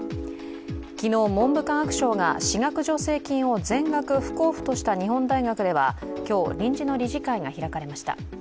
昨日文科省が私学助成金を全額不交付とした日大では、今日、臨時の理事会が開かれました。